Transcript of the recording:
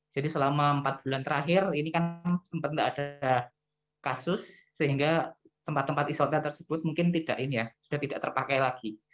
jadi selama empat bulan terakhir ini kan sempat tidak ada kasus sehingga tempat tempat isolater tersebut mungkin sudah tidak terpakai lagi